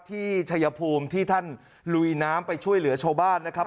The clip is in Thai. ชัยภูมิที่ท่านลุยน้ำไปช่วยเหลือชาวบ้านนะครับ